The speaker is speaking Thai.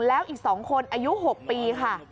แล้วอีก๒คนอายุ๖ปีค่ะ